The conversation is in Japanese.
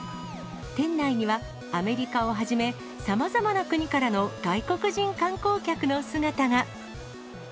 店内にはアメリカをはじめ、さまざまな国からの外国人観光客の姿が。